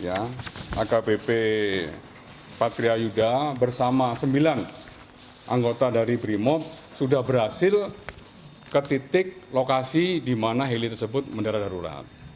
ya akbp patria yuda bersama sembilan anggota dari brimop sudah berhasil ke titik lokasi di mana heli tersebut mendarat darurat